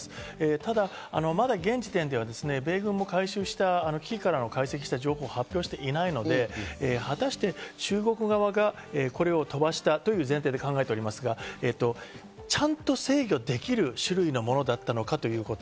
ただ、まだ現時点では米軍も回収した機器から解析した情報を発表していないので、果たして中国側がこれを飛ばしたという前提で考えておりますが、ちゃんと制御できる種類のものだったのかということ。